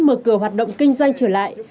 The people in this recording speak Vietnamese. mở cửa hoạt động kinh doanh trở lại